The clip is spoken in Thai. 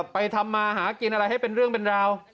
ไปทำมาหากินอะไรให้เป็นเรื่องเป็นราว